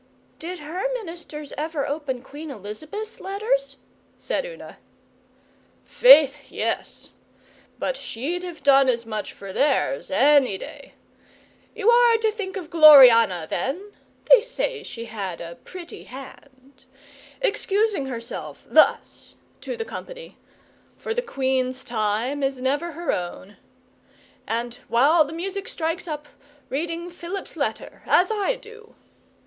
'Did her ministers ever open Queen Elizabeth's letters?' said Una. 'Faith, yes! But she'd have done as much for theirs, any day. You are to think of Gloriana, then (they say she had a pretty hand), excusing herself thus to the company for the Queen's time is never her own and, while the music strikes up, reading Philip's letter, as I do.